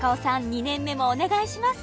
２年目もお願いします！